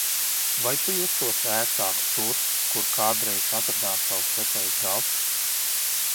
Vai tu justos ērtāk tur, kur kādreiz atradās tavs vecais galds?